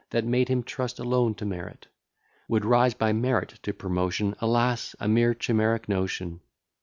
That made him trust alone to merit; Would rise by merit to promotion; Alas! a mere chimeric notion.